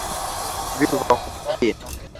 Vitu vya kupikia